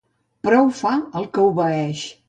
Prou fa el que obeeix.